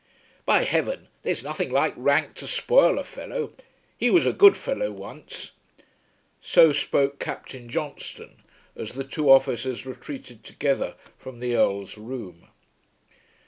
"By Heaven, there's nothing like rank to spoil a fellow. He was a good fellow once." So spoke Captain Johnstone, as the two officers retreated together from the Earl's room.